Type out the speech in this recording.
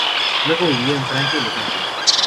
Luego vivió en Francia y Los Ángeles.